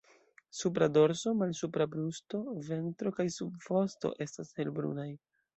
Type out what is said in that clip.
Supra dorso, malsupra brusto, ventro kaj subvosto estas helbrunaj.